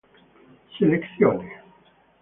seleccione